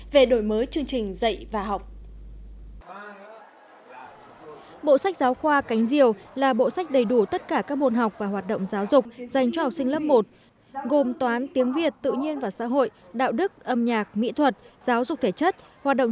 về đổi mới chương trình dạy và học